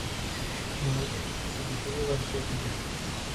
Morales y Belisario García Villar.